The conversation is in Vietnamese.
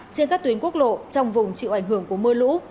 trên các tuyến quốc lộ trong vùng chịu ảnh hưởng của mưa lũ